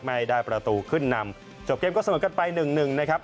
ไม่ได้ประตูขึ้นนำจบเกมก็เสมอกันไป๑๑นะครับ